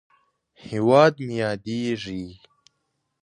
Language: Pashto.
هېواد مې یادیږې!